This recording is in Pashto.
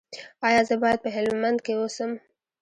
ایا زه باید په هلمند کې اوسم؟